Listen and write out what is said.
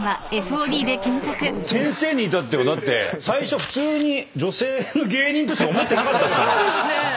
先生に至っては最初普通に女性の芸人としか思ってなかったですから。